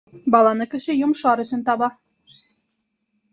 Баланы кеше йомошар өсөн таба.